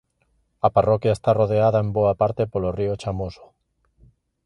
A parroquia está rodeada en boa parte polo río Chamoso.